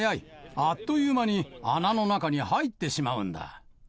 あっという間に穴の中に入ってしまうんだ。